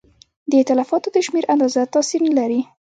د تلفاتو د شمېر اندازه تاثیر نه لري.